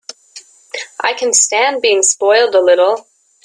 I can stand being spoiled a little.